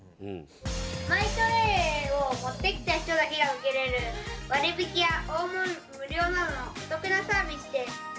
マイトレイを持ってきた人だけが受けれる割引や大盛り無料などのお得なサービスです。